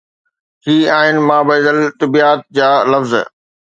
هي آهن مابعد الطبعيات جا لفظ.